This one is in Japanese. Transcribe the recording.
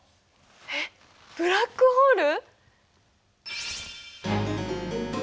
えっブラックホール？